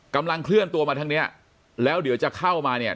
กำลังเคลื่อนตัวมาทางเนี้ยแล้วเดี๋ยวจะเข้ามาเนี่ย